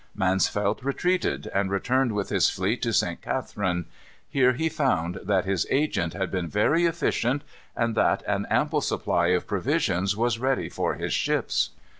Mansvelt retreated, and returned with his fleet to St. Catharine. Here he found that his agent had been very efficient, and that an ample supply of provisions was ready for his ships.